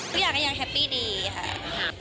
ทุกอย่างก็ยังแฮปปี้ดีค่ะ